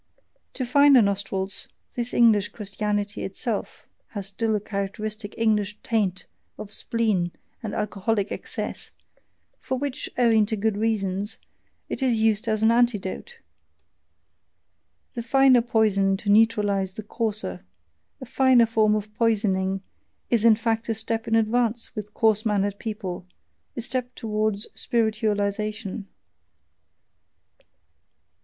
To finer nostrils, this English Christianity itself has still a characteristic English taint of spleen and alcoholic excess, for which, owing to good reasons, it is used as an antidote the finer poison to neutralize the coarser: a finer form of poisoning is in fact a step in advance with coarse mannered people, a step towards spiritualization.